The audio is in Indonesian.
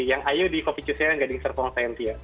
yang iu di kopi cusie yang gading serpong tnc ya